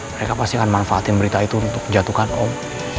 mereka pasti akan manfaatin berita itu untuk jatuhkan om